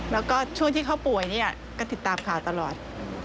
แล้วก็ช่วงที่เขาป่วยเนี่ยก็ติดตามข่าวตลอด